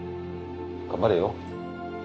頑張れよ。